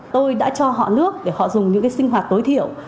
tôi đã cho họ nước để họ dùng những cái sinh hoạt tối thiểu